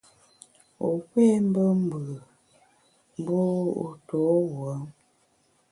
Wu pé mbe mbù, mbu wu to wuo ?